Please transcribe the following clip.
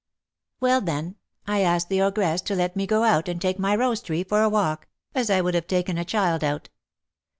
"Well, then, I asked the ogress to let me go out, and take my rose tree for a walk, as I would have taken a child out.